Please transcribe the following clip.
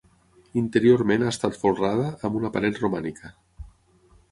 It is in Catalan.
Interiorment ha estat folrada amb una paret romànica.